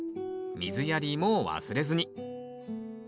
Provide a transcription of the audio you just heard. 水やりも忘れずに。